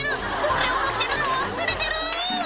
「俺を乗せるの忘れてる！」